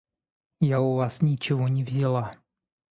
Я у вас ничего не взяла.